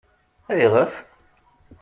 Ayɣef?